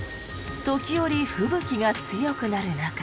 時折、吹雪が強くなる中。